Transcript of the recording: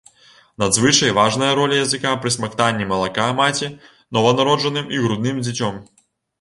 Надзвычай важная роля языка пры смактанні малака маці нованароджаным і грудным дзіцем.